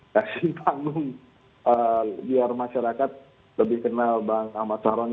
kasih tanggung biar masyarakat lebih kenal bang ahmad saron